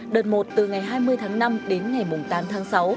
đợt một từ ngày hai mươi tháng năm đến ngày tám tháng sáu